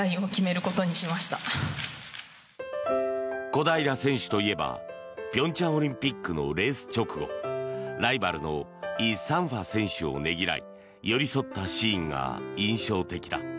小平選手といえば平昌オリンピックのレース直後ライバルのイ・サンファ選手をねぎらい寄り添ったシーンが印象的だ。